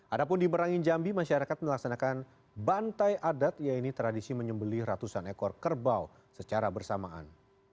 adapun di merangin jambi masyarakat melaksanakan bantai adat yaitu tradisi menyembeli ratusan ekor kerbau secara bersamaan